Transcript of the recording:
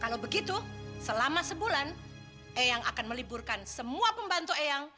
kalau begitu selama sebulan eyang akan meliburkan semua pembantu eyang